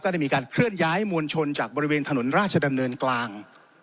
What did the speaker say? ได้มีการเคลื่อนย้ายมวลชนจากบริเวณถนนราชดำเนินกลาง